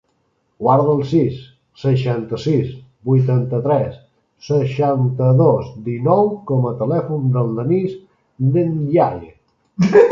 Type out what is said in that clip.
Guarda el sis, seixanta-sis, vuitanta-tres, seixanta-dos, dinou com a telèfon del Denís Ndiaye.